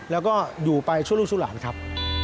แล้วก็อยู่ไปช่วยลูกสุรรรค์ครับ